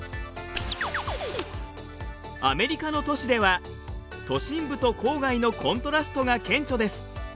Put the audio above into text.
アメリカの都市では都心部と郊外のコントラストが顕著です。